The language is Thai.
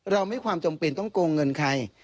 เราไม่ความจำเป็นต้องโกงเงินใคร